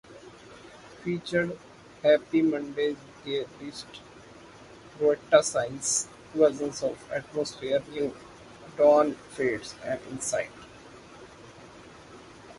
Featured Happy Mondays' vocalist Rowetta sings versions of "Atmosphere", "New Dawn Fades" and "Insight".